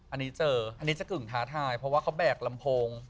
อันนี้เจออันนี้จะกึ่งท้าทายเพราะว่าเขาแบกลำโพง